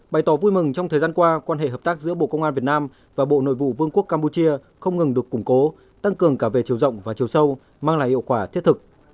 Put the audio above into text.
bày tỏ vui mừng trong thời gian qua quan hệ hợp tác giữa bộ công an việt nam và bộ nội vụ vương quốc campuchia không ngừng được củng cố tăng cường cả về chiều rộng và chiều sâu mang lại hiệu quả thiết thực